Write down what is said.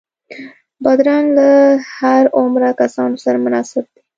بادرنګ له هر عمره کسانو سره مناسب دی.